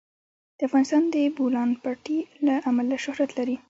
افغانستان د د بولان پټي له امله شهرت لري.